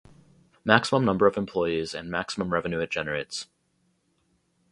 Maximum number of employees and maximum revenue it generates.